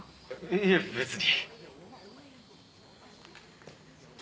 いえ別に。